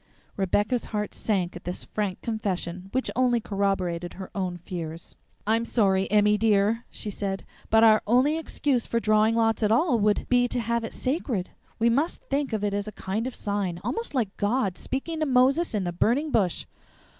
Rebecca's heart sank at this frank confession, which only corroborated her own fears. "I'm sorry, Emmy, dear," she said, "but our only excuse for drawing lots at all would be to have it sacred. We must think of it as a kind of a sign, almost like God speaking to Moses in the burning bush."